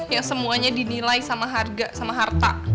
ya semuanya dinilai sama harga sama harta